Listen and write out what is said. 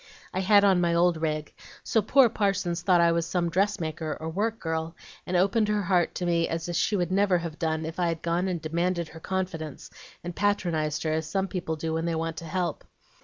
I had on my old rig; so poor Parsons thought I was some dressmaker or work girl, and opened her heart to me as she never would have done if I'd gone and demanded her confidence, and patronized her, as some people do when they want to help.